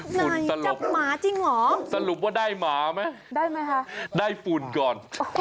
ฝุ่นตลกสรุปว่าได้หมาไหมได้ฝุ่นก่อน